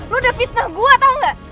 lo udah fitnah gue atau gak